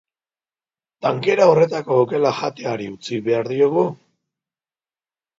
Tankera horretako okela jateari utzi behar diogu?